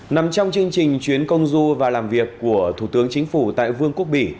nằm trong chương trình chuyến công du và làm việc của thủ tướng chính phủ tại vương quốc bỉ